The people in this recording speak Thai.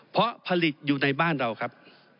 เพราะผลิตอยู่ในบ้านเราครับ